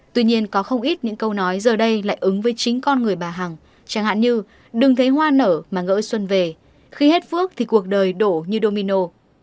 tuy nhiên có không ít những câu nói giờ đây lại ứng với chính con người bà hằng chẳng hạn như đừng thấy hoa nở mà gỡ xuân về khi hết phước thì cuộc đời đổ như domino